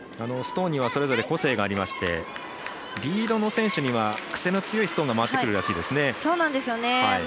ストーンにはそれぞれ個性がありましてリードの選手には癖の強いストーンが回ってくるらしいですね。